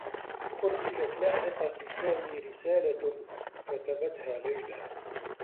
أُرسِلت لاحقا لسامي رسالة كتبتها ليلى.